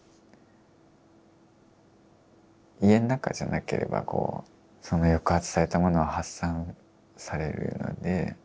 家の中じゃなければその抑圧されたものを発散されるので。